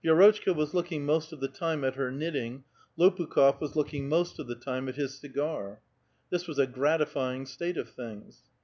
Vii'rotclika was looking most of the time at her knitting ; Lopnkh6f was looking most of the time at his cigar. This was a gratifying state of things.